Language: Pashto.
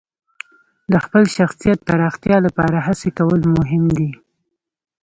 د خپل شخصیت پراختیا لپاره هڅې کول مهم دي.